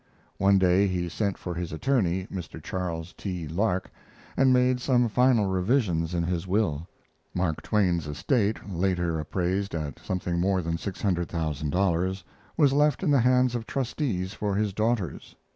One day he sent for his attorney, Mr. Charles T. Lark, and made some final revisions in his will. [Mark Twain's estate, later appraised at something more than $600,000 was left in the hands of trustees for his daughters.